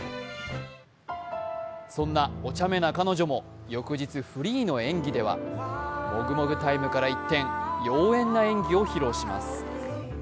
そんなお茶目な彼女も翌日、フリーの演技ではもぐもぐタイムから一転、妖艶な演技を披露します。